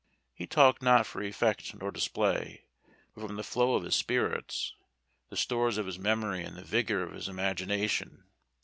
He talked not for effect nor display, but from the flow of his spirits, the stores of his memory, and the vigor of his imagination.